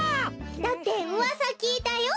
だってうわさきいたよ。